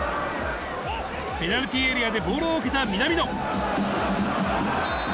ペナルティーエリアでボールを受けた南野。